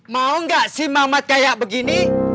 mau gak si mamat kayak begini